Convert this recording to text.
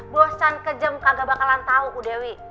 bosan kejam kagak bakalan tau bu dewi